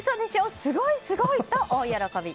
すごい、すごい！と大喜び。